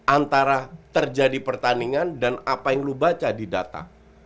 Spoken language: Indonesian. antara terjadi pertandingan dan apa yang lu baca di data